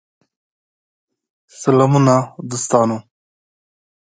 It can also be another term for gender-blindness.